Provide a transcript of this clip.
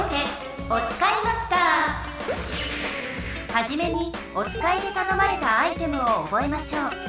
はじめにおつかいでたのまれたアイテムを覚えましょう。